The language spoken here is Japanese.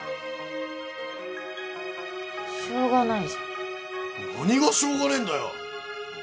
しょうがないじゃん。何がしょうがねえんだよ！